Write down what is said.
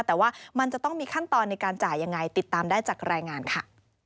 แต่ว่ามันจะต้องมีขั้นตอนในการจ่ายยังไงติดตามได้จากรายงานค่ะ